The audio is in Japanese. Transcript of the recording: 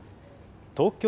東京